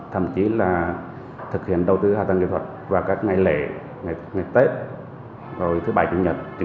thậm chí là thực hiện đầu tư hạ tầng kỹ thuật vào các ngày lễ ngày tết rồi thứ bảy chủ nhật